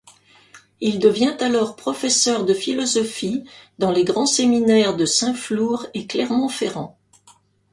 Il devient alors professeur de philosophie dans les grands séminaires de Saint-Flour et Clermont-Ferrand.